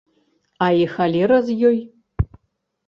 А і халера з ёй.